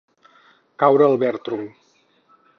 Caure al bertrol.